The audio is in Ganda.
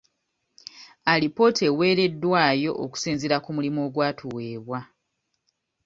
Alipoota eweereddwayo okusinziira ku mulimu ogwatuweebwa.